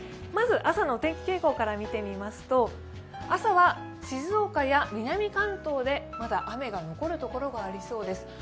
まず、朝のお天気傾向から見てみますと朝は静岡や南関東でまだ雨が残るところがありそうです。